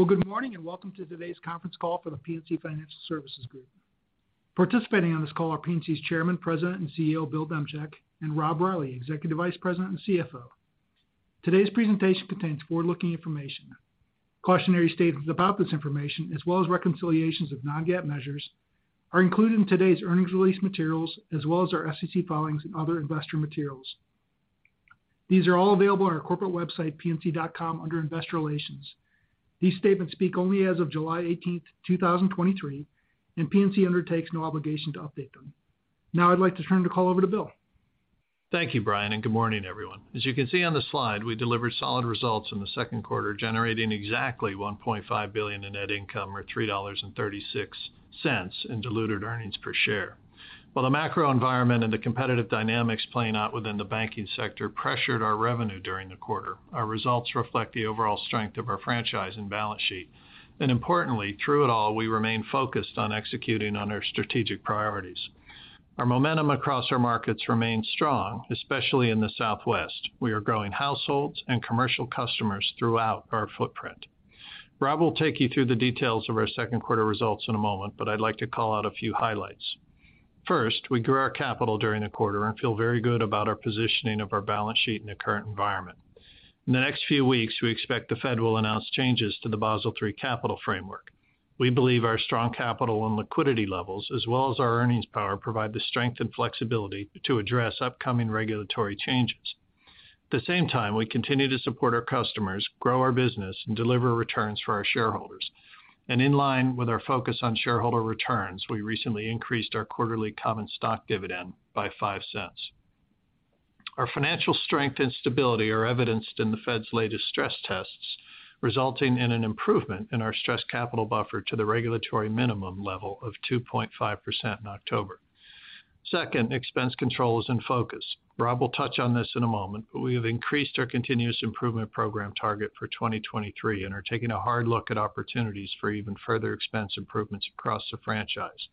Well, good morning, and welcome to today's conference call for The PNC Financial Services Group. Participating on this call are PNC's Chairman, President, and CEO, Bill Demchak, and Rob Reilly, Executive Vice President and CFO. Today's presentation contains forward-looking information. Cautionary statements about this information, as well as reconciliations of non-GAAP measures, are included in today's earnings release materials, as well as our SEC filings and other Investor Relations materials. These are all available on our corporate website, pnc.com, under Investor Relations. These statements speak only as of July 18, 2023, and PNC undertakes no obligation to update them. Now I'd like to turn the call over to Bill. Thank you, Brian. Good morning, everyone. As you can see on the slide, we delivered solid results in the second quarter, generating exactly $1.5 billion in net income, or $3.36 in diluted earnings per share. While the macro environment and the competitive dynamics playing out within the banking sector pressured our revenue during the quarter, our results reflect the overall strength of our franchise and balance sheet. Importantly, through it all, we remain focused on executing on our strategic priorities. Our momentum across our markets remains strong, especially in the Southwest. We are growing households and commercial customers throughout our footprint. Rob will take you through the details of our second quarter results in a moment. I'd like to call out a few highlights. First, we grew our capital during the quarter and feel very good about our positioning of our balance sheet in the current environment. In the next few weeks, we expect the Fed will announce changes to the Basel III capital framework. We believe our strong capital and liquidity levels, as well as our earnings power, provide the strength and flexibility to address upcoming regulatory changes. At the same time, we continue to support our customers, grow our business, and deliver returns for our shareholders. In line with our focus on shareholder returns, we recently increased our quarterly common stock dividend by $0.05. Our financial strength and stability are evidenced in the Fed's latest stress tests, resulting in an improvement in our Stress Capital Buffer to the regulatory minimum level of 2.5% in October. Second, expense control is in focus. Rob will touch on this in a moment. We have increased our Continuous Improvement Program target for 2023 and are taking a hard look at opportunities for even further expense improvements across the franchise.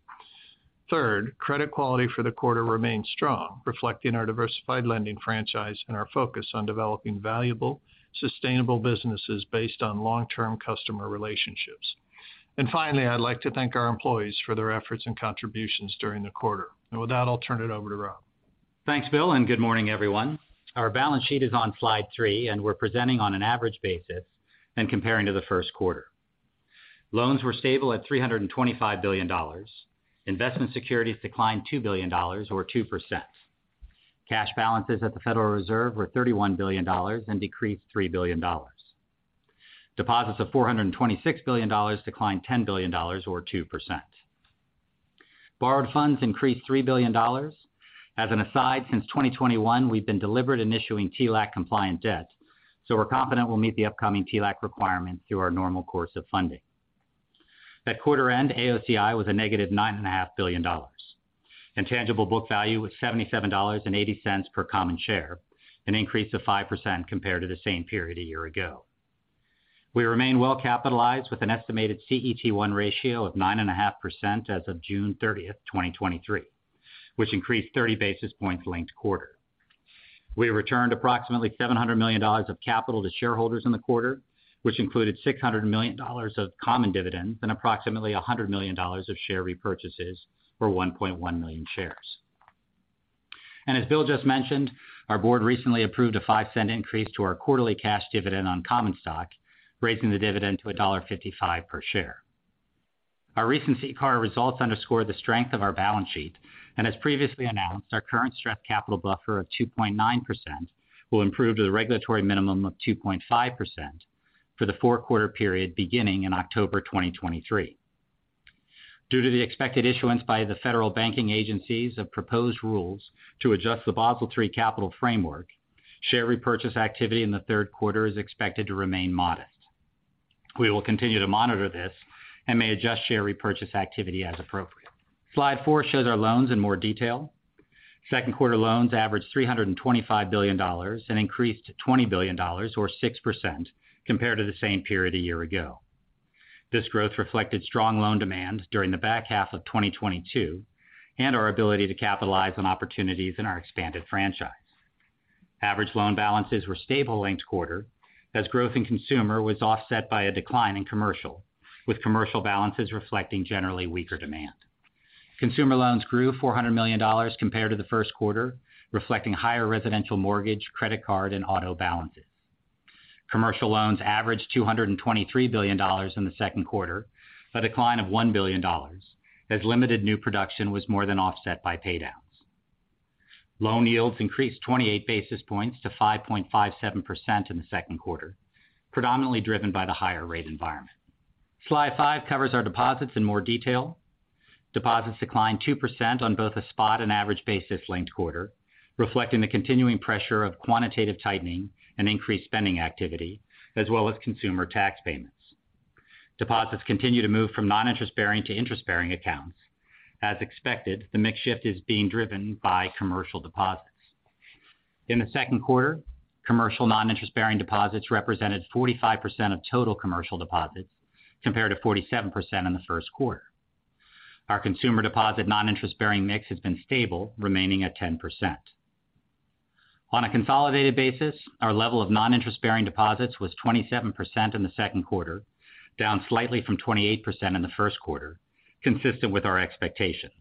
Third, credit quality for the quarter remains strong, reflecting our diversified lending franchise and our focus on developing valuable, sustainable businesses based on long-term customer relationships. Finally, I'd like to thank our employees for their efforts and contributions during the quarter. With that, I'll turn it over to Rob. Thanks, Bill, and good morning, everyone. Our balance sheet is on slide 3, and we're presenting on an average basis and comparing to the first quarter. Loans were stable at $325 billion. Investment securities declined $2 billion or 2%. Cash balances at the Federal Reserve were $31 billion and decreased $3 billion. Deposits of $426 billion declined $10 billion or 2%. Borrowed funds increased $3 billion. As an aside, since 2021, we've been deliberate in issuing TLAC compliant debt. We're confident we'll meet the upcoming TLAC requirements through our normal course of funding. At quarter end, AOCI was a -$9.5 billion, and tangible book value was $77.80 per common share, an increase of 5% compared to the same period a year ago. We remain well capitalized with an estimated CET1 ratio of 9.5% as of June 30, 2023, which increased 30 basis points linked quarter. We returned approximately $700 million of capital to shareholders in the quarter, which included $600 million of common dividends and approximately $100 million of share repurchases for 1.1 million shares. As Bill just mentioned, our board recently approved a $0.05 increase to our quarterly cash dividend on common stock, raising the dividend to $1.55 per share. Our recent CCAR results underscore the strength of our balance sheet, and as previously announced, our current Stress Capital Buffer of 2.9% will improve to the regulatory minimum of 2.5% for the 4-quarter period beginning in October 2023. Due to the expected issuance by the federal banking agencies of proposed rules to adjust the Basel III capital framework, share repurchase activity in the third quarter is expected to remain modest. We will continue to monitor this and may adjust share repurchase activity as appropriate. Slide 4 shows our loans in more detail. Second quarter loans averaged $325 billion and increased to $20 billion or 6% compared to the same period a year ago. This growth reflected strong loan demand during the back half of 2022, and our ability to capitalize on opportunities in our expanded franchise. Average loan balances were stable linked quarter, as growth in consumer was offset by a decline in commercial, with commercial balances reflecting generally weaker demand. Consumer loans grew $400 million compared to the first quarter, reflecting higher residential mortgage, credit card, and auto balances. Commercial loans averaged $223 billion in the second quarter, a decline of $1 billion, as limited new production was more than offset by paydowns. Loan yields increased 28 basis points to 5.57% in the second quarter, predominantly driven by the higher rate environment. Slide 5 covers our deposits in more detail. Deposits declined 2% on both a spot and average basis linked-quarter, reflecting the continuing pressure of quantitative tightening and increased spending activity, as well as consumer tax payments. Deposits continue to move from non-interest-bearing to interest-bearing accounts. As expected, the mix shift is being driven by commercial deposits. In the second quarter, commercial non-interest bearing deposits represented 45% of total commercial deposits, compared to 47% in the first quarter. Our consumer deposit non-interest bearing mix has been stable, remaining at 10%. On a consolidated basis, our level of non-interest-bearing deposits was 27% in the second quarter, down slightly from 28% in the first quarter, consistent with our expectations.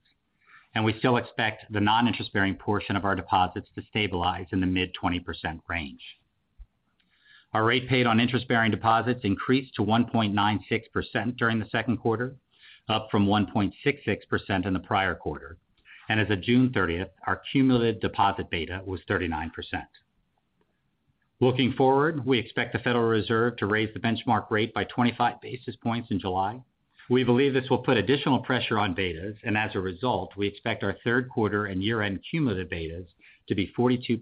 We still expect the non-interest-bearing portion of our deposits to stabilize in the mid-20% range. Our rate paid on interest-bearing deposits increased to 1.96% during the second quarter, up from 1.66% in the prior quarter. As of June 30th, our cumulative deposit beta was 39%. Looking forward, we expect the Federal Reserve to raise the benchmark rate by 25 basis points in July. We believe this will put additional pressure on betas, as a result, we expect our third quarter and year-end cumulative betas to be 42%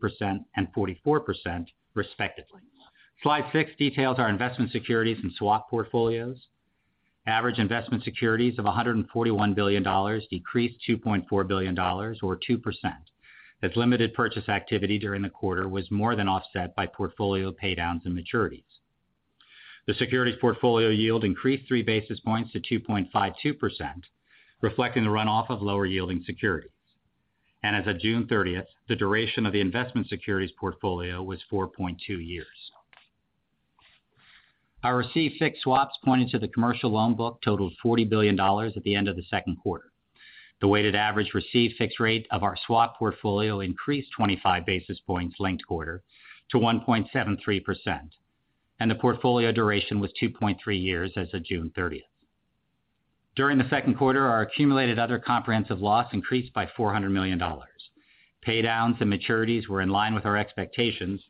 and 44% respectively. Slide 6 details our investment securities and swap portfolios. Average investment securities of $141 billion decreased $2.4 billion, or 2%, as limited purchase activity during the quarter was more than offset by portfolio paydowns and maturities. The securities portfolio yield increased 3 basis points to 2.52%, reflecting the runoff of lower yielding securities. As of June 30th, the duration of the investment securities portfolio was 4.2 years. Our receive-fixed swaps pointed to the commercial loan book totaled $40 billion at the end of the second quarter. The weighted average received fixed rate of our swap portfolio increased 25 basis points linked quarter to 1.73%, and the portfolio duration was 2.3 years as of June 30th. During the second quarter, our accumulated other comprehensive loss increased by $400 million. Paydowns and maturities were in line with our expectations,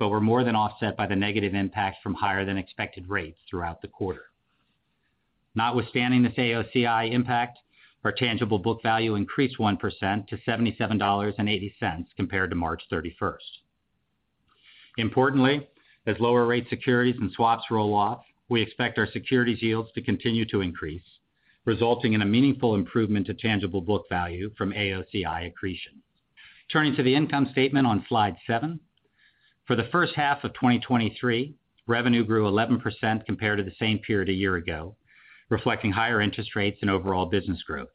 were more than offset by the negative impact from higher than expected rates throughout the quarter. Notwithstanding this AOCI impact, our tangible book value increased 1% to $77.80 compared to March 31st. Importantly, as lower rate securities and swaps roll off, we expect our securities yields to continue to increase, resulting in a meaningful improvement to tangible book value from AOCI accretion. Turning to the income statement on slide 7. For the first half of 2023, revenue grew 11% compared to the same period a year ago, reflecting higher interest rates and overall business growth.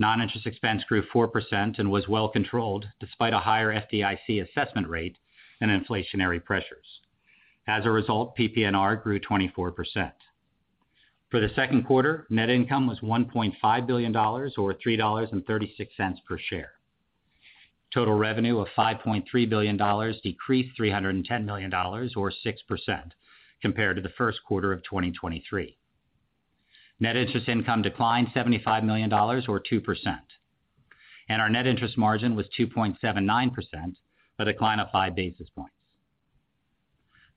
Non-interest expense grew 4% and was well controlled, despite a higher FDIC assessment rate and inflationary pressures. As a result, PPNR grew 24%. For the second quarter, net income was $1.5 billion, or $3.36 per share. Total revenue of $5.3 billion decreased $310 million, or 6%, compared to the first quarter of 2023. Net interest income declined $75 million, or 2%, and our net interest margin was 2.79%, a decline of 5 basis points.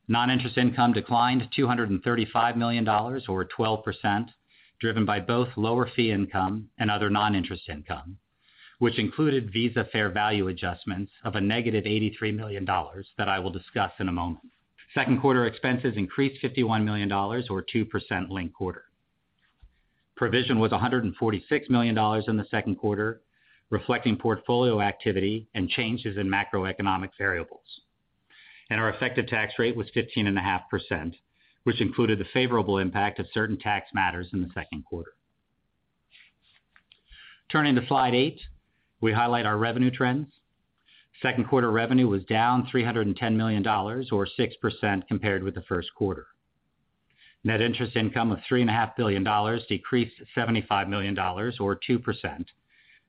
Non-interest income declined $235 million, or 12%, driven by both lower fee income and other non-interest income, which included Visa fair value adjustments of a negative $83 million, that I will discuss in a moment. Second quarter expenses increased $51 million, or 2% linked quarter. Provision was $146 million in the second quarter, reflecting portfolio activity and changes in macroeconomic variables. Our effective tax rate was 15.5%, which included the favorable impact of certain tax matters in the second quarter. Turning to slide eight, we highlight our revenue trends. Second quarter revenue was down $310 million, or 6%, compared with the first quarter. Net interest income of three and a half billion dollars decreased $75 million, or 2%,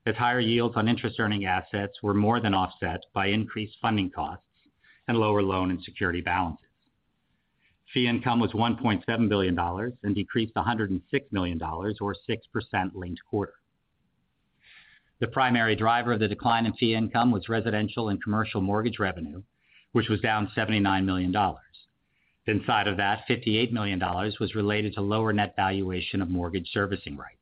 as higher yields on interest earning assets were more than offset by increased funding costs and lower loan and security balances. Fee income was $1.7 billion and decreased $106 million, or 6% linked quarter. The primary driver of the decline in fee income was residential and commercial mortgage revenue, which was down $79 million. Inside of that, $58 million was related to lower net valuation of mortgage servicing rights.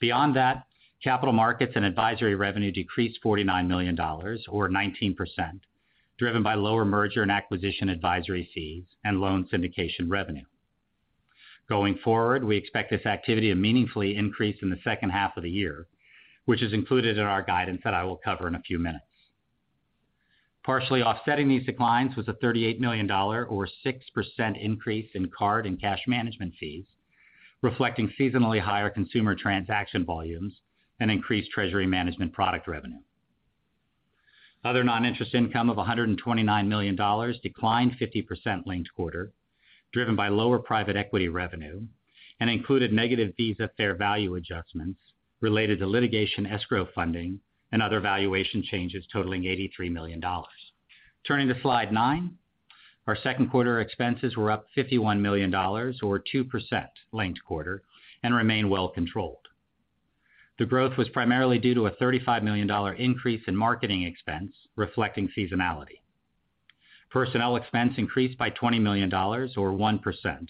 Beyond that, capital markets and advisory revenue decreased $49 million, or 19%, driven by lower merger and acquisition advisory fees and loan syndication revenue. Going forward, we expect this activity to meaningfully increase in the second half of the year, which is included in our guidance that I will cover in a few minutes. Partially offsetting these declines was a $38 million, or 6% increase in card and cash management fees, reflecting seasonally higher consumer transaction volumes and increased treasury management product revenue. Other non-interest income of $129 million declined 50% linked quarter, driven by lower private equity revenue and included negative Visa fair value adjustments related to litigation escrow funding and other valuation changes totaling $83 million. Turning to slide 9. Our second quarter expenses were up $51 million, or 2% linked quarter, and remain well controlled. The growth was primarily due to a $35 million increase in marketing expense, reflecting seasonality. Personnel expense increased by $20 million, or 1%,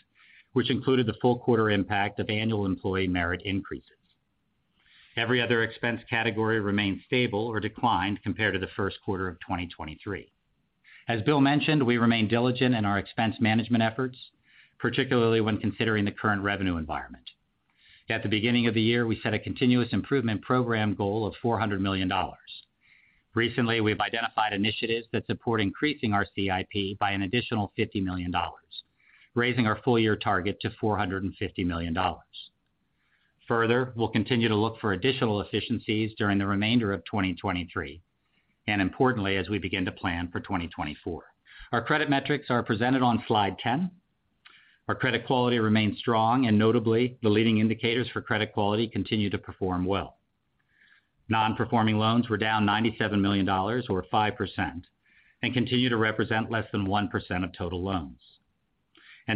which included the full quarter impact of annual employee merit increases. Every other expense category remained stable or declined compared to the first quarter of 2023. As Bill mentioned, we remain diligent in our expense management efforts, particularly when considering the current revenue environment. At the beginning of the year, we set a Continuous Improvement Program goal of $400 million. Recently, we've identified initiatives that support increasing our CIP by an additional $50 million, raising our full year target to $450 million. Further, we'll continue to look for additional efficiencies during the remainder of 2023, and importantly, as we begin to plan for 2024. Our credit metrics are presented on slide 10. Our credit quality remains strong, and notably, the leading indicators for credit quality continue to perform well. Non-performing loans were down $97 million or 5% and continue to represent less than 1% of total loans.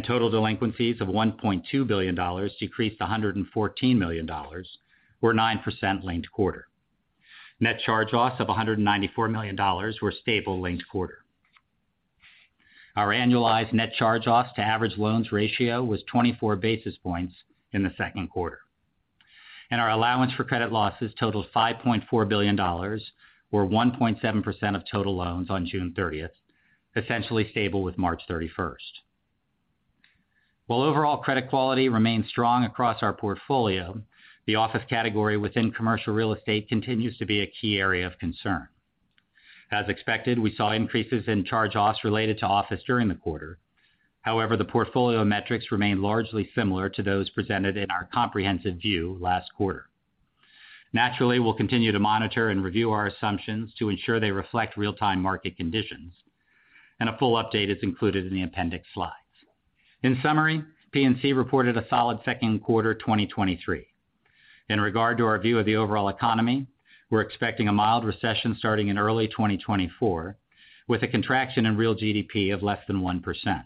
Total delinquencies of $1.2 billion decreased $114 million, or 9% linked quarter. Net charge-offs of $194 million were stable linked quarter. Our annualized net charge-offs to average loans ratio was 24 basis points in the second quarter, and our allowance for credit losses totaled $5.4 billion, or 1.7% of total loans on June thirtieth, essentially stable with March thirty-first. While overall credit quality remains strong across our portfolio, the office category within commercial real estate continues to be a key area of concern. As expected, we saw increases in charge-offs related to office during the quarter. However, the portfolio metrics remain largely similar to those presented in our comprehensive view last quarter. Naturally, we'll continue to monitor and review our assumptions to ensure they reflect real-time market conditions. A full update is included in the appendix slides. In summary, PNC reported a solid second quarter 2023. In regard to our view of the overall economy, we're expecting a mild recession starting in early 2024, with a contraction in real GDP of less than 1%.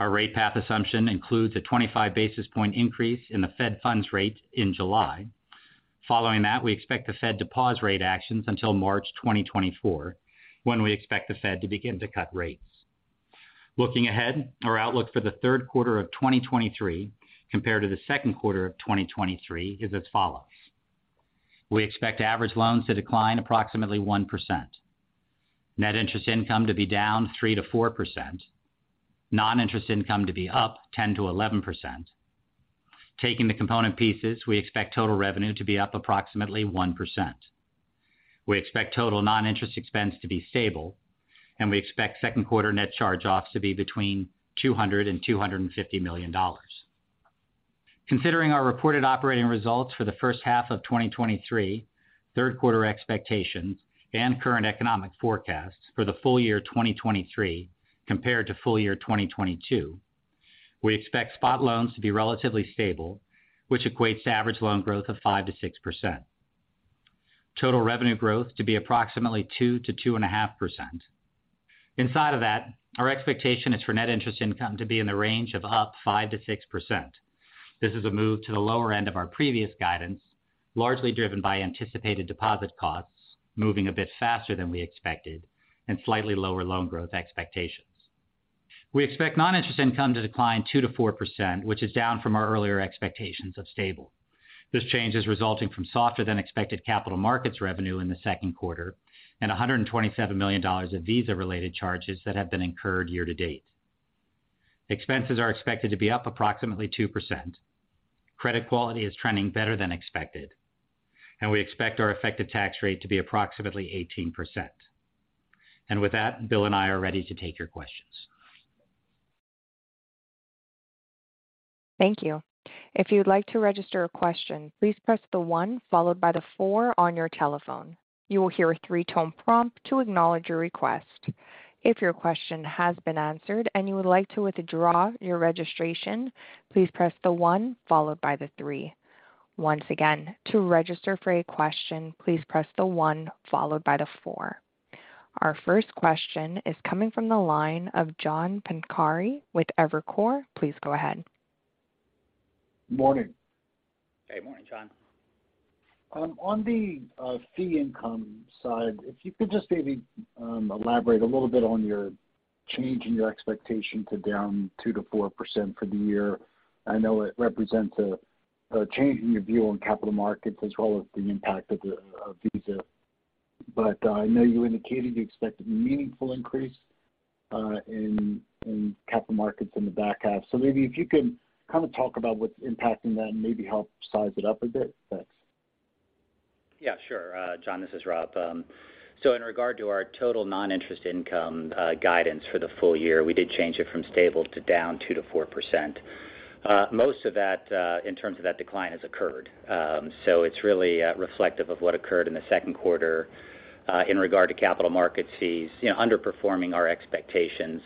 Our rate path assumption includes a 25 basis point increase in the Fed funds rate in July. Following that, we expect the Fed to pause rate actions until March 2024, when we expect the Fed to begin to cut rates. Looking ahead, our outlook for the third quarter of 2023 compared to the second quarter of 2023 is as follows: We expect average loans to decline approximately 1%, net interest income to be down 3%-4%, non-interest income to be up 10%-11%. Taking the component pieces, we expect total revenue to be up approximately 1%. We expect total non-interest expense to be stable, and we expect second quarter net charge-offs to be between $200 million and $250 million. Considering our reported operating results for the first half of 2023, third quarter expectations and current economic forecasts for the full year 2023 compared to full year 2022, we expect spot loans to be relatively stable, which equates to average loan growth of 5%-6%. Total revenue growth to be approximately 2%-2.5%. Inside of that, our expectation is for net interest income to be in the range of up 5%-6%. This is a move to the lower end of our previous guidance, largely driven by anticipated deposit costs, moving a bit faster than we expected and slightly lower loan growth expectations. We expect non-interest income to decline 2%-4%, which is down from our earlier expectations of stable. This change is resulting from softer than expected capital markets revenue in the second quarter, and $127 million of Visa-related charges that have been incurred year to date. Expenses are expected to be up approximately 2%. Credit quality is trending better than expected, and we expect our effective tax rate to be approximately 18%. With that, Bill and I are ready to take your questions. Thank you. If you'd like to register a question, please press the one followed by the four on your telephone. You will hear a three-tone prompt to acknowledge your request. If your question has been answered and you would like to withdraw your registration, please press the one followed by the three. Once again, to register for a question, please press the one followed by the four. Our first question is coming from the line of John Pancari with Evercore. Please go ahead. Morning. Hey, morning, John. On the fee income side, if you could just maybe elaborate a little bit on your change in your expectation to down 2%-4% for the year. I know it represents a change in your view on capital markets as well as the impact of Visa. I know you indicated you expect a meaningful increase in capital markets in the back half. Maybe if you could kind of talk about what's impacting that and maybe help size it up a bit. Thanks. Yeah, sure. John, this is Rob. In regard to our total non-interest income, guidance for the full year, we did change it from stable to down 2%-4%. Most of that, in terms of that decline has occurred. It's really reflective of what occurred in the second quarter, in regard to capital markets fees, you know, underperforming our expectations,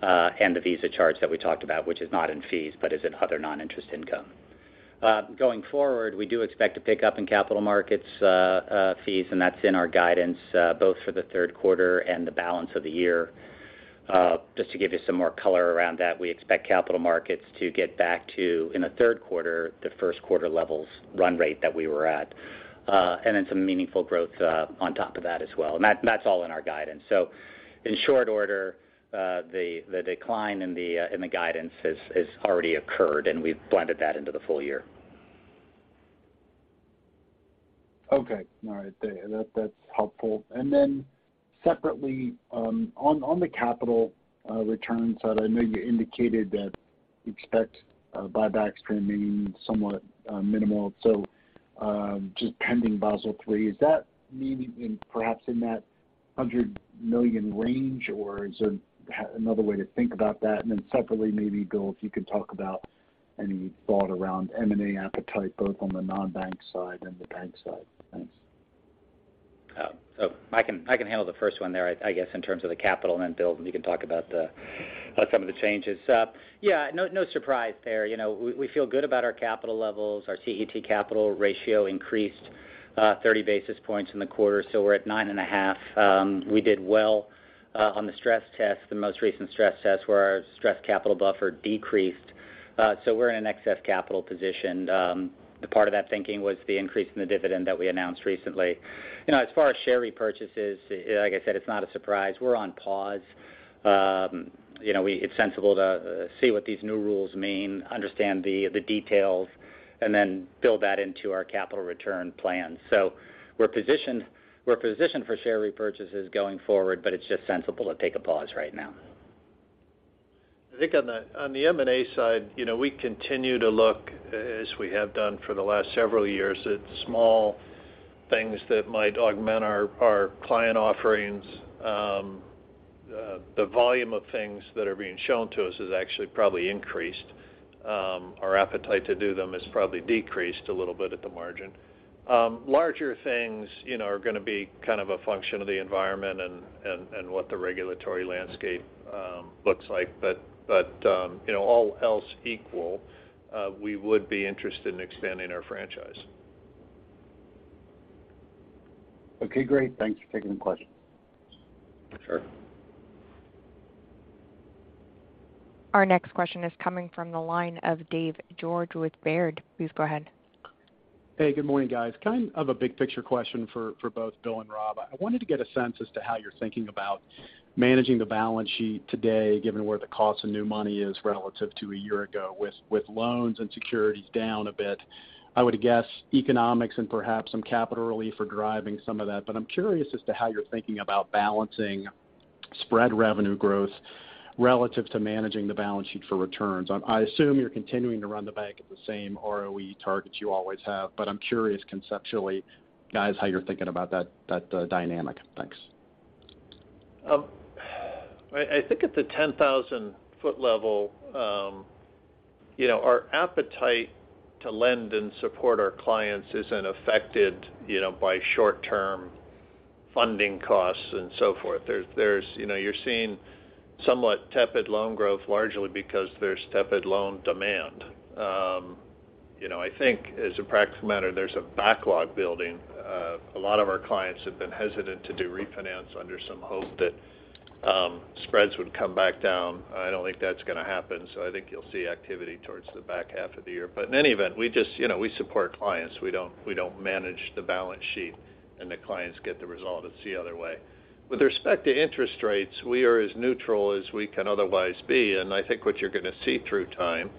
and the Visa charge that we talked about, which is not in fees, but is in other non-interest income. Going forward, we do expect to pick up in capital markets fees, and that's in our guidance, both for the third quarter and the balance of the year. Just to give you some more color around that, we expect capital markets to get back to, in the third quarter, the first quarter levels run rate that we were at, and then some meaningful growth on top of that as well. That, that's all in our guidance. In short order, the decline in the guidance has already occurred, and we've blended that into the full year. Okay. All right. That's helpful. Separately, on the capital, return side, I know you indicated that you expect buybacks to remain somewhat minimal. Just pending Basel III. Is that meaning in perhaps in that $100 million range, or is there another way to think about that? Separately, maybe, Bill, if you can talk about any thought around M&A appetite, both on the non-bank side and the bank side. Thanks. I can handle the first one there, I guess, in terms of the capital, and then Bill, you can talk about some of the changes. Yeah, no surprise there. You know, we feel good about our capital levels. Our CET capital ratio increased, 30 basis points in the quarter, so we're at 9.5. We did well on the stress test, the most recent stress test, where our Stress Capital Buffer decreased. We're in an excess capital position. A part of that thinking was the increase in the dividend that we announced recently. You know, as far as share repurchases, like I said, it's not a surprise. We're on pause.you know, it's sensible to see what these new rules mean, understand the details, and then build that into our capital return plan. We're positioned for share repurchases going forward, but it's just sensible to take a pause right now. I think on the, on the M&A side, you know, we continue to look, as we have done for the last several years, at small things that might augment our client offerings. The volume of things that are being shown to us has actually probably increased. Our appetite to do them has probably decreased a little bit at the margin. Larger things, you know, are gonna be kind of a function of the environment and, and what the regulatory landscape looks like. You know, all else equal, we would be interested in expanding our franchise. Okay, great. Thanks for taking the question. Sure. Our next question is coming from the line of David George with Baird. Please go ahead. Hey, good morning, guys. Kind of a big-picture question for both Bill and Rob. I wanted to get a sense as to how you're thinking about managing the balance sheet today, given where the cost of new money is relative to a year ago, with loans and securities down a bit. I would guess economics and perhaps some capital relief are driving some of that. I'm curious as to how you're thinking about balancing spread revenue growth relative to managing the balance sheet for returns. I assume you're continuing to run the bank at the same ROE targets you always have, but I'm curious, conceptually, guys, how you're thinking about that dynamic. Thanks. I think at the 10,000 foot level, you know, our appetite to lend and support our clients isn't affected, you know, by short-term funding costs and so forth. There's, you know, you're seeing somewhat tepid loan growth, largely because there's tepid loan demand. You know, I think as a practical matter, there's a backlog building. A lot of our clients have been hesitant to do refinance under some hope that spreads would come back down. I don't think that's gonna happen, so I think you'll see activity towards the back half of the year. In any event, we just, you know, we support clients. We don't manage the balance sheet, and the clients get the result it's the other way. With respect to interest rates, we are as neutral as we can otherwise be, I think what you're gonna see through time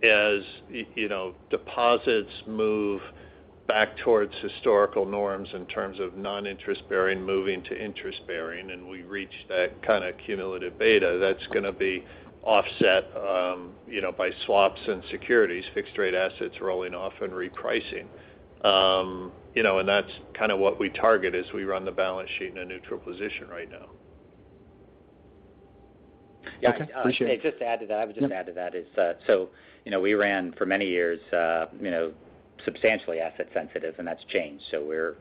is, you know, deposits move back towards historical norms in terms of non-interest bearing, moving to interest bearing, and we reach that kind of cumulative beta. That's gonna be offset, you know, by swaps and securities, fixed rate assets rolling off and repricing. You know, that's kind of what we target as we run the balance sheet in a neutral position right now. Okay, appreciate it. Yeah, just to add to that, I would just add to that, is that, you know, we ran for many years, you know, substantially asset sensitive. That's changed. We're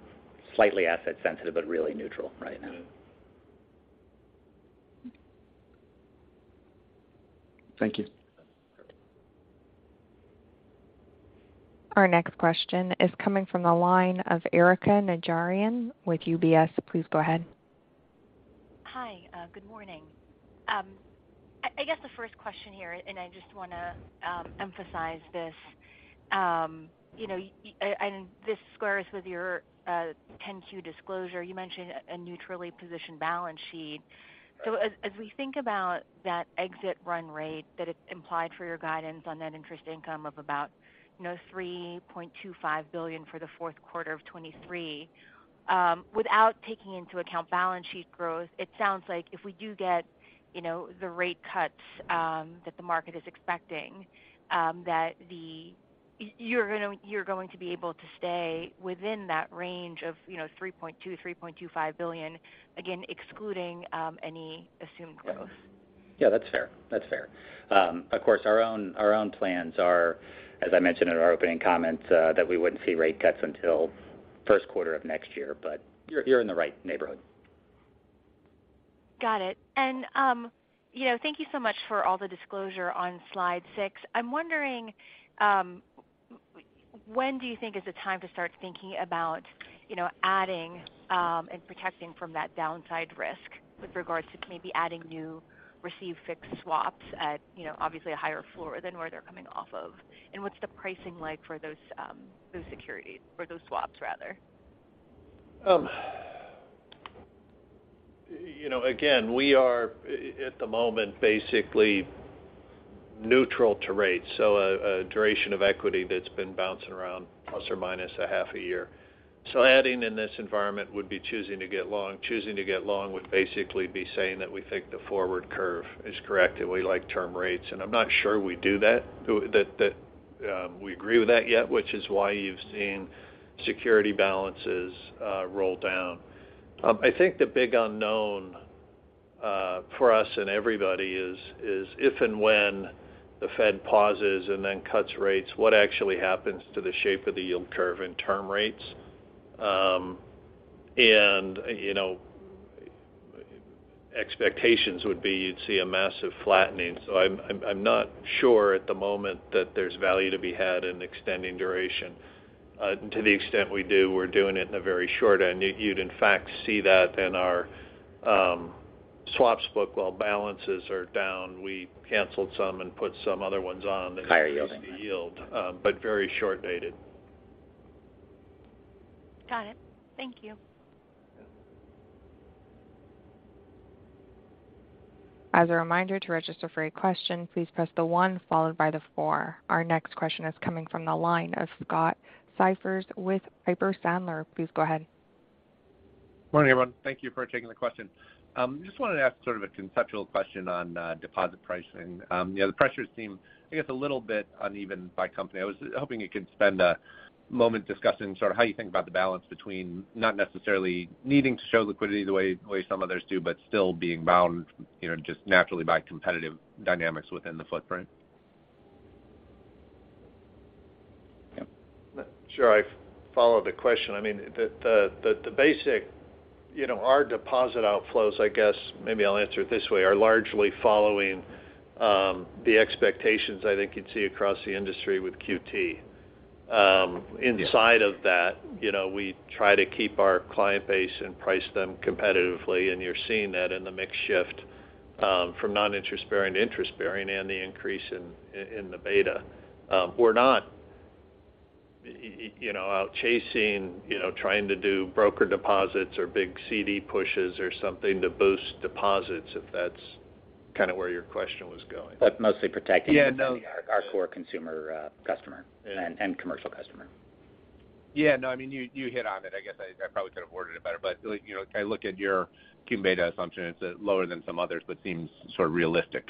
slightly asset sensitive, but really neutral right now. Yeah. Thank you. Our next question is coming from the line of Erika Najarian with UBS. Please go ahead. Good morning. I guess the first question here, I just want to emphasize this, you know, and this squares with your 10-Q disclosure. You mentioned a neutrally positioned balance sheet. As we think about that exit run rate, that it's implied for your guidance on that interest income of about, you know, $3.25 billion for the fourth quarter of 2023, without taking into account balance sheet growth, it sounds like if we do get, you know, the rate cuts that the market is expecting, you're gonna, you're going to be able to stay within that range of, you know, $3.2 billion-$3.25 billion, again, excluding any assumed growth. Yeah, that's fair. That's fair. Of course, our own, our own plans are, as I mentioned in our opening comments, that we wouldn't see rate cuts until first quarter of next year, but you're in the right neighborhood. Got it. You know, thank you so much for all the disclosure on slide six. I'm wondering, when do you think is the time to start thinking about, you know, adding, and protecting from that downside risk with regards to maybe adding new received fixed swaps at, you know, obviously a higher floor than where they're coming off of? What's the pricing like for those securities, or those swaps rather? You know, again, we are, at the moment, basically neutral to rates, so a duration of equity that's been bouncing around plus or minus a half a year. Adding in this environment would be choosing to get long. Choosing to get long would basically be saying that we think the forward curve is correct, and we like term rates, and I'm not sure we do that, we agree with that yet, which is why you've seen security balances roll down. I think the big unknown for us and everybody is if and when the Fed pauses and then cuts rates, what actually happens to the shape of the yield curve in term rates? You know, expectations would be you'd see a massive flattening. I'm not sure at the moment that there's value to be had in extending duration. To the extent we do, we're doing it in a very short end. You'd, in fact, see that in our swaps book. While balances are down, we canceled some and put some other ones on- Higher yielding. The yield, but very short-dated. Got it. Thank you. As a reminder, to register for a question, please press the one followed by the four. Our next question is coming from the line of Scott Siefers with Piper Sandler. Please go ahead. Morning, everyone. Thank you for taking the question. Just wanted to ask sort of a conceptual question on deposit pricing. You know, the pressures seem, I guess, a little bit uneven by company. I was hoping you could spend a moment discussing sort of how you think about the balance between not necessarily needing to show liquidity the way some others do, but still being bound, you know, just naturally by competitive dynamics within the footprint. Yeah. Sure, I follow the question. I mean, the basic, you know, our deposit outflows, I guess, maybe I'll answer it this way, are largely following the expectations I think you'd see across the industry with QT. Inside of that, you know, we try to keep our client base and price them competitively, and you're seeing that in the mix shift from non-interest bearing to interest-bearing and the increase in the beta. We're not, you know, out chasing, you know, trying to do broker deposits or big CD pushes or something to boost deposits, if that's kind of where your question was going. mostly protecting-. Yeah, no. -our core consumer, customer and commercial customer. Yeah, no, I mean, you hit on it. I guess I probably could have worded it better, but, you know, I look at your beta assumption, it's lower than some others, but seems sort of realistic,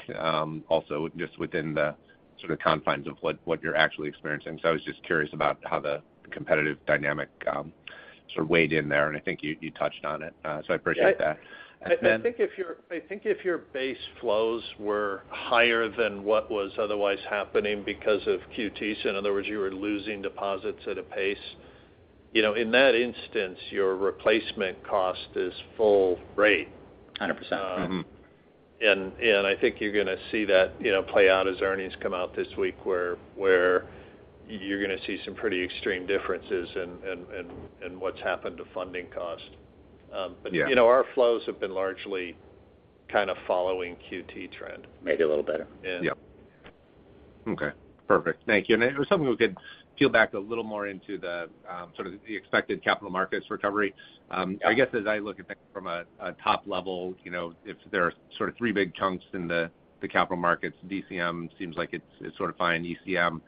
also just within the sort of confines of what you're actually experiencing. I was just curious about how the competitive dynamic sort of weighed in there, and I think you touched on it, so I appreciate that. Then. I think if your base flows were higher than what was otherwise happening because of QT, so in other words, you were losing deposits at a pace, you know, in that instance, your replacement cost is full rate. 100%. I think you're going to see that, you know, play out as earnings come out this week, where you're going to see some pretty extreme differences in what's happened to funding cost. Yeah... but, you know, our flows have been largely kind of following QT trend. Maybe a little better. Yeah. Yep. Okay, perfect. Thank you. If someone could peel back a little more into the sort of the expected capital markets recovery. I guess as I look at that from a top level, you know, if there are sort of three big chunks in the capital markets, DCM seems like it's sort of fine. ECM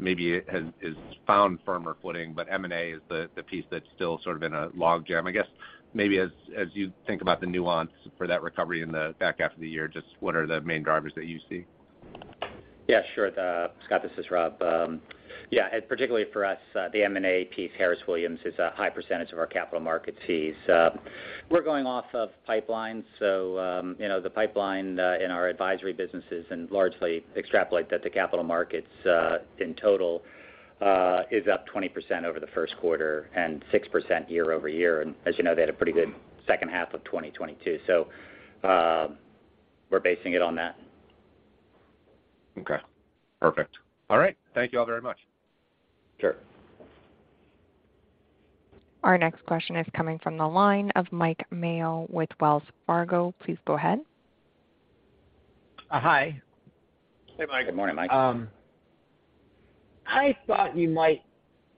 maybe is found firmer footing, but M&A is the piece that's still sort of in a log jam. I guess maybe as you think about the nuance for that recovery in the back half of the year, just what are the main drivers that you see? Yeah, sure. Scott, this is Rob. Yeah, particularly for us, the M&A piece, Harris Williams, is a high percentage of our capital markets fees. We're going off of pipelines, you know, the pipeline in our advisory businesses and largely extrapolate that the capital markets in total is up 20% over the first quarter and 6% year-over-year. As you know, they had a pretty good second half of 2022, we're basing it on that. Okay, perfect. All right. Thank you all very much. Sure. Our next question is coming from the line of Mike Mayo with Wells Fargo. Please go ahead. Hi. Hey, Mike. Good morning, Mike. I thought you might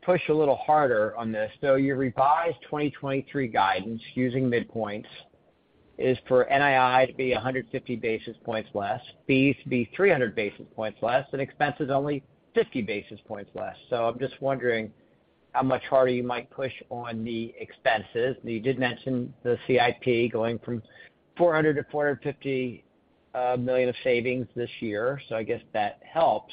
push a little harder on this. Your revised 2023 guidance, using midpoints, is for NII to be 150 basis points less, fees to be 300 basis points less, and expenses only 50 basis points less. I'm just wondering how much harder you might push on the expenses. You did mention the CIP going from $400 million-$450 million of savings this year, so I guess that helps.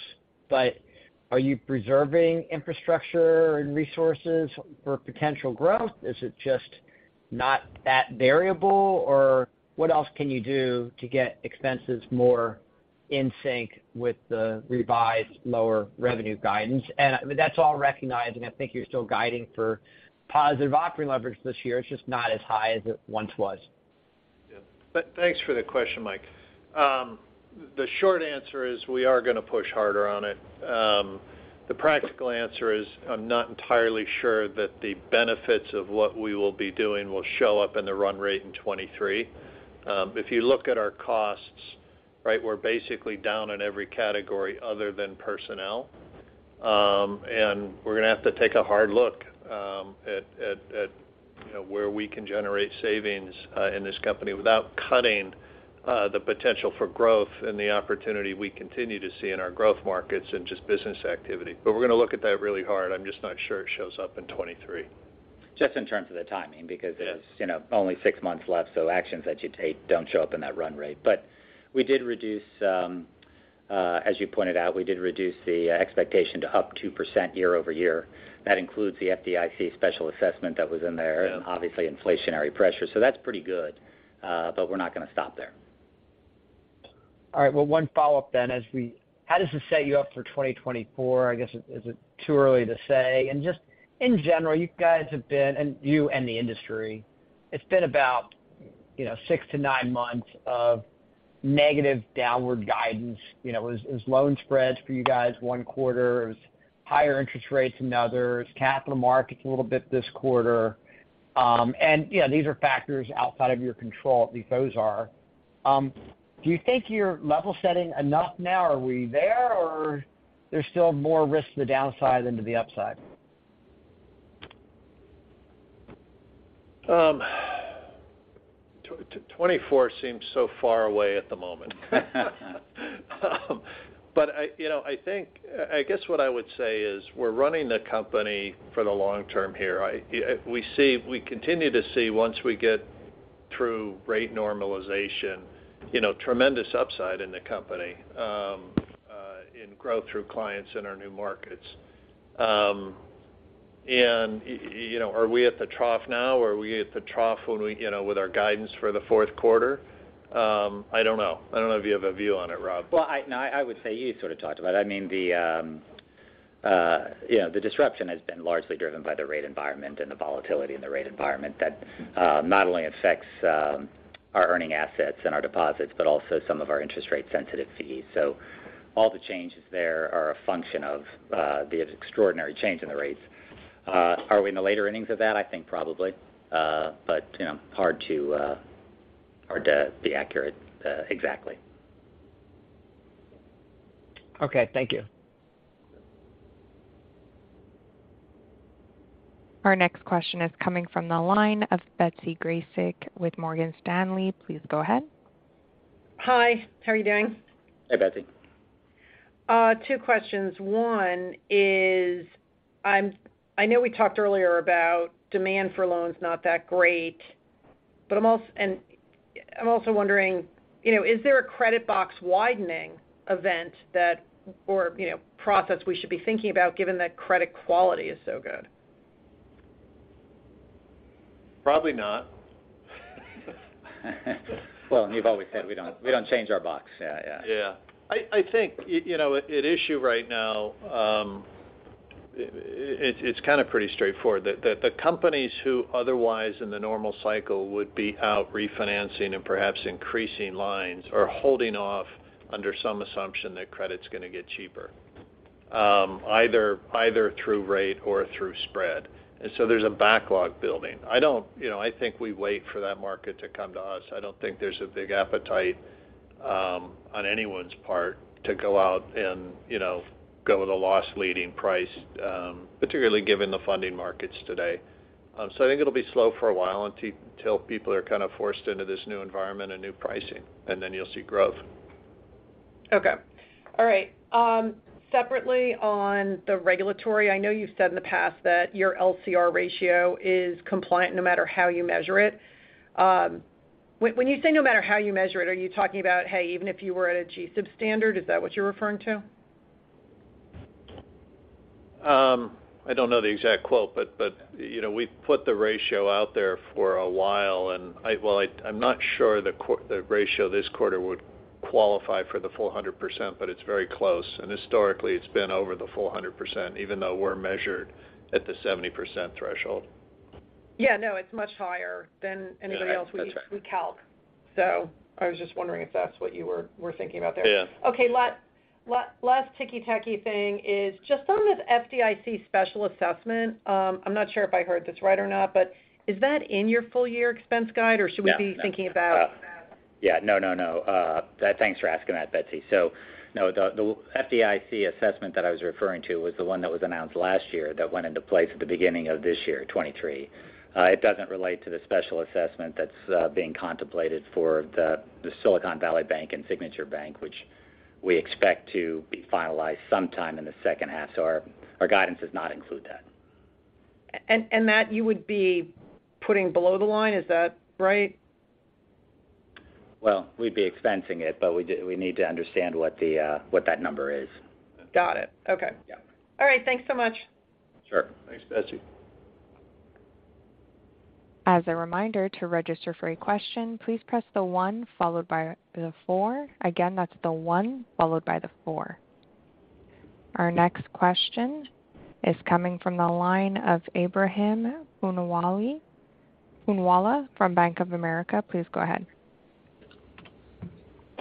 Are you preserving infrastructure and resources for potential growth? Is it just not that variable, or what else can you do to get expenses more in sync with the revised lower revenue guidance? I mean, that's all recognizing, I think you're still guiding for positive operating leverage this year. It's just not as high as it once was. Thanks for the question, Mike. The short answer is we are going to push harder on it. The practical answer is, I'm not entirely sure that the benefits of what we will be doing will show up in the run rate in 2023. If you look at our costs, right, we're basically down in every category other than personnel. We're going to have to take a hard look, you know, where we can generate savings, in this company without cutting, the potential for growth and the opportunity we continue to see in our growth markets and just business activity. We're gonna look at that really hard. I'm just not sure it shows up in 2023. Just in terms of the timing. Yes There's, you know, only six months left, so actions that you take don't show up in that run rate. We did reduce, as you pointed out, we did reduce the expectation to up 2% year-over-year. That includes the FDIC special assessment that was in there, and obviously, inflationary pressure. That's pretty good, but we're not gonna stop there. All right, well, one follow-up then. How does this set you up for 2024? I guess, is it too early to say? Just in general, you guys have been, and you and the industry, it's been about, you know, 6-9 months of negative downward guidance. You know, as loan spreads for you guys, 1 quarter, it was higher interest rates, another's capital markets a little bit this quarter. You know, these are factors outside of your control, at least those are. Do you think you're level setting enough now? Are we there, or there's still more risk to the downside than to the upside? 24 seems so far away at the moment. I, you know, I guess what I would say is, we're running the company for the long term here. We continue to see, once we get through rate normalization, you know, tremendous upside in the company, in growth through clients in our new markets. You know, are we at the trough now, or are we at the trough when we, you know, with our guidance for the fourth quarter? I don't know. I don't know if you have a view on it, Rob. Well, no, I would say you sort of talked about it. I mean, you know, the disruption has been largely driven by the rate environment and the volatility in the rate environment that not only affects our earning assets and our deposits, but also some of our interest rate-sensitive fees. All the changes there are a function of the extraordinary change in the rates. Are we in the later innings of that? I think probably. You know, hard to be accurate exactly. Okay. Thank you. Our next question is coming from the line of Betsy Graseck with Morgan Stanley. Please go ahead. Hi, how are you doing? Hi, Betsy. Two questions. One is, I know we talked earlier about demand for loans not that great. I'm also wondering, you know, is there a credit box widening event that or, you know, process we should be thinking about, given that credit quality is so good? Probably not. Well, you've always said we don't change our box. Yeah, yeah. Yeah. I think, you know, at issue right now, it's kind of pretty straightforward. That the companies who otherwise in the normal cycle would be out refinancing and perhaps increasing lines, are holding off under some assumption that credit's gonna get cheaper, either through rate or through spread. There's a backlog building. You know, I think we wait for that market to come to us. I don't think there's a big appetite on anyone's part to go out and, you know, go with a loss-leading price, particularly given the funding markets today. I think it'll be slow for a while until people are kind of forced into this new environment and new pricing, and then you'll see growth. Okay. All right. Separately, on the regulatory, I know you've said in the past that your LCR ratio is compliant no matter how you measure it. When you say no matter how you measure it, are you talking about, hey, even if you were at a GSIB standard, is that what you're referring to? I don't know the exact quote, but, you know, we've put the ratio out there for a while, and well, I'm not sure the ratio this quarter would qualify for the full 100%, but it's very close. Historically, it's been over the full 100%, even though we're measured at the 70% threshold. Yeah. No, it's much higher than anybody else. Yeah, that's right. We calc. I was just wondering if that's what you were thinking about there? Yeah. Okay, last ticky-tacky thing is, just on this FDIC special assessment, I'm not sure if I heard this right or not, but is that in your full year expense guide, or should we-? No be thinking about that? No, no. Thanks for asking that, Betsy. No, the FDIC assessment that I was referring to was the one that was announced last year, that went into place at the beginning of this year, 2023. It doesn't relate to the special assessment that's being contemplated for the Silicon Valley Bank and Signature Bank, which we expect to be finalized sometime in the second half. Our guidance does not include that. That you would be putting below the line, is that right? We'd be expensing it, but we need to understand what the, what that number is. Got it. Okay. Yeah. All right. Thanks so much. Sure. Thanks, Betsy. As a reminder, to register for a question, please press the on followed by the four. Again, that's the one followed by the four. Our next question is coming from the line of Ebrahim Poonawala from Bank of America. Please go ahead.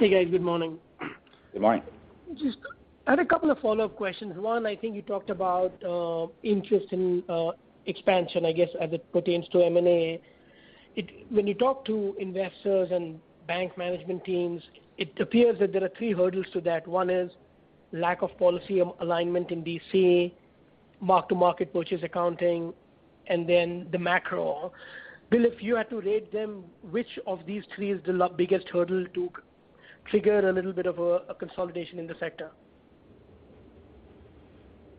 Hey, guys. Good morning. Good morning. Just I had a couple of follow-up questions. One, I think you talked about interest in expansion, I guess, as it pertains to M&A. When you talk to investors and bank management teams, it appears that there are three hurdles to that. One is lack of policy alignment in D.C., mark-to-market purchase accounting, and then the macro. Bill, if you had to rate them, which of these three is the biggest hurdle to trigger a little bit of a consolidation in the sector?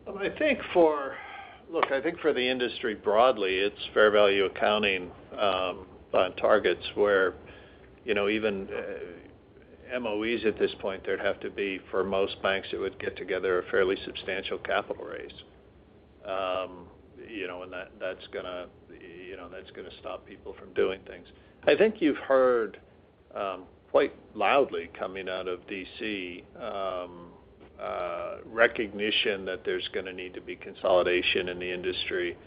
Look, I think for the industry broadly, it's fair value accounting on targets where, you know, even MOEs at this point, there'd have to be, for most banks, it would get together a fairly substantial capital raise. You know, and that's gonna, you know, that's gonna stop people from doing things. I think you've heard quite loudly coming out of D.C., recognition that there's gonna need to be consolidation in the industry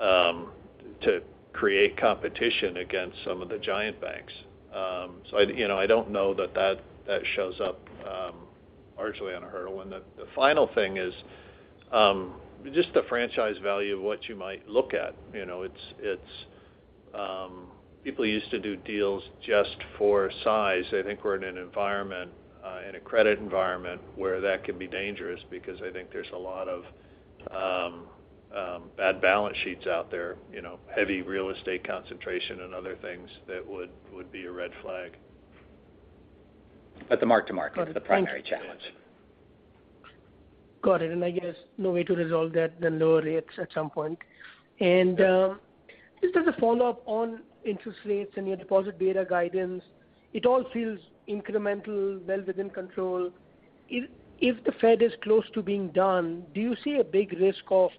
to create competition against some of the giant banks. So I, you know, I don't know that that shows up largely on a hurdle. The final thing is just the franchise value of what you might look at. You know, it's, people used to do deals just for size. I think we're in an environment, in a credit environment, where that can be dangerous because I think there's a lot of bad balance sheets out there, you know, heavy real estate concentration and other things that would be a red flag. The mark to market is the primary challenge. Got it. I guess no way to resolve that than lower rates at some point. Just as a follow-up on interest rates and your deposit beta guidance, it all feels incremental, well within control. If the Fed is close to being done, do you see a big risk of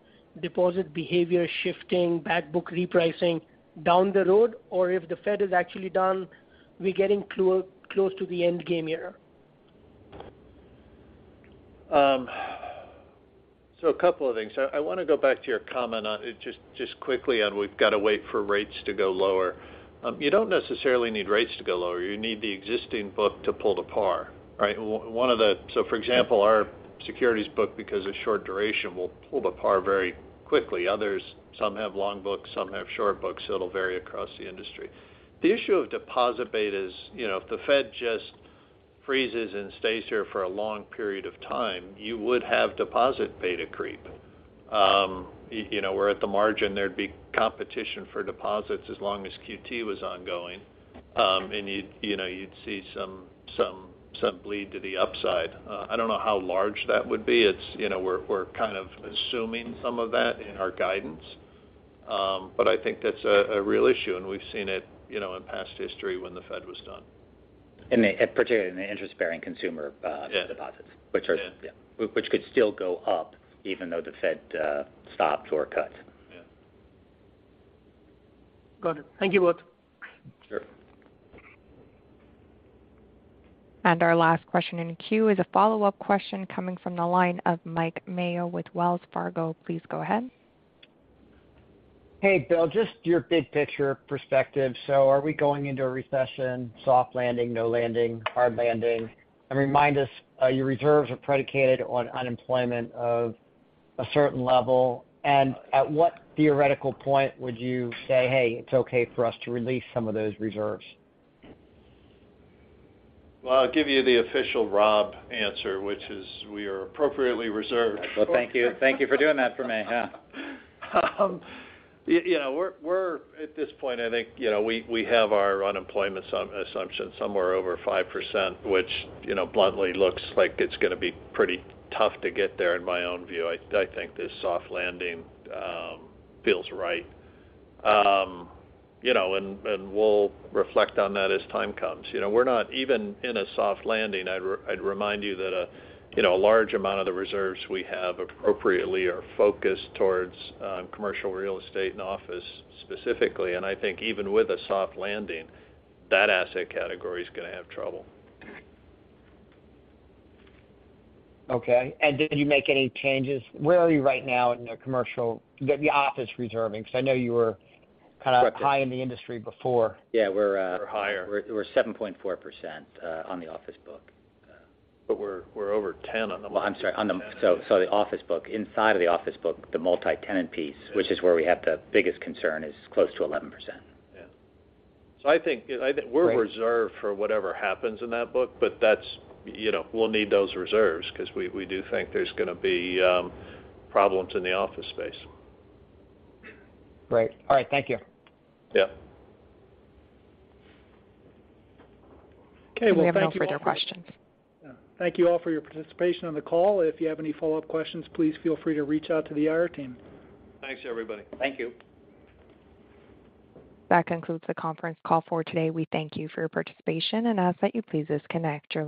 deposit behavior shifting, bad book repricing down the road? If the Fed is actually done, we're getting close to the end game here? A couple of things. I wanna go back to your comment on just quickly on we've gotta wait for rates to go lower. You don't necessarily need rates to go lower. You need the existing book to pull the par, right? One of the... So, for example, our securities book, because of short duration, will pull the par very quickly. Others, some have long books, some have short books, so it'll vary across the industry. The issue of deposit beta is, you know, if the Fed just freezes and stays here for a long period of time, you would have deposit beta creep. You know, where at the margin, there'd be competition for deposits as long as QT was ongoing. You'd, you know, you'd see some bleed to the upside. I don't know how large that would be. It's, you know, we're kind of assuming some of that in our guidance. I think that's a real issue, and we've seen it, you know, in past history when the Fed was done. They, particularly in the interest-bearing consumer. Yeah... deposits, which. Yeah... yeah. Which could still go up even though the Fed stops or cuts. Yeah. Got it. Thank you both. Sure. Our last question in the queue is a follow-up question coming from the line of Mike Mayo with Wells Fargo. Please go ahead. Hey, Bill. Just your big picture perspective. Are we going into a recession, soft landing, no landing, hard landing? Remind us, your reserves are predicated on unemployment of a certain level. At what theoretical point would you say, "Hey, it's okay for us to release some of those reserves? Well, I'll give you the official Rob answer, which is we are appropriately reserved. Well, thank you. Thank you for doing that for me, yeah. You know, we're at this point, I think, you know, we have our unemployment assumption somewhere over 5%, which, you know, bluntly looks like it's gonna be pretty tough to get there, in my own view. I think this soft landing feels right. You know, and we'll reflect on that as time comes. You know, we're not even in a soft landing. I'd remind you that, you know, a large amount of the reserves we have appropriately are focused towards, commercial real estate and office specifically. I think even with a soft landing, that asset category is gonna have trouble. Okay. Did you make any changes? Where are you right now in the commercial, the office reserving? I know you were kind of- Correct... high in the industry before. Yeah, we're. We're higher. We're 7.4% on the office book. we're over 10 on the. Well, I'm sorry, the office book, inside of the office book, the multi-tenant piece. Yeah... which is where we have the biggest concern, is close to 11%. Yeah. I think. Great We're reserved for whatever happens in that book, but that's, you know, we'll need those reserves because we do think there's gonna be problems in the office space. Great. All right, thank you. Yeah. Okay, well, thank you. We have no further questions. Yeah. Thank you all for your participation on the call. If you have any follow-up questions, please feel free to reach out to the IR team. Thanks, everybody. Thank you. That concludes the conference call for today. We thank you for your participation and ask that you please disconnect your lines.